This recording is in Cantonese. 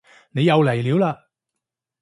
你又嚟料嘞